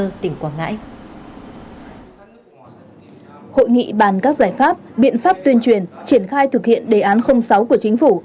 hội nghị bàn các giải pháp biện pháp tuyên truyền triển khai thực hiện đề án sáu của chính phủ